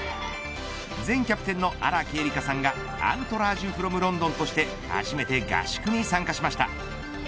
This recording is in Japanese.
前キャプテンの荒木絵里香さんがアントラージュｆｒｏｍロンドンとして初めて合宿に参加しました。